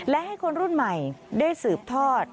และให้คนรุ่นใหม่ได้สืบทอด